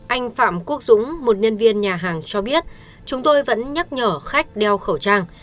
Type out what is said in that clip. anh phạm quốc dũng một nhân viên nhà hàng cho biết chúng tôi vẫn nhắc nhở khách đeo khẩu trang